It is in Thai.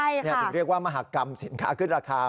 ถึงเรียกว่ามหากรรมสินค้าขึ้นราคา